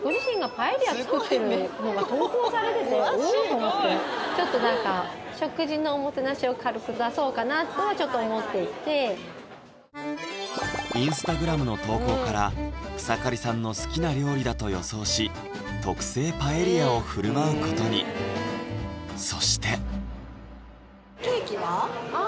⁉と思ってちょっと何か食事のおもてなしを軽く出そうかなとはちょっと思っていてＩｎｓｔａｇｒａｍの投稿から草刈さんの好きな料理だと予想し特製パエリアを振る舞うことにそしてあ！